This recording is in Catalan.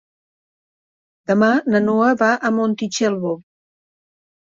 Demà na Noa va a Montitxelvo.